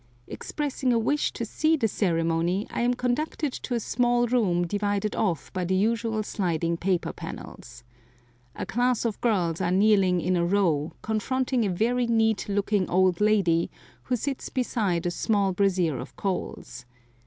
Expressing a wish to see the ceremony, I am conducted to a small room divided off by the usual sliding paper panels. A class of girls are kneeling in a row, confronting a very neat looking old lady who sits beside a small brazier of coals.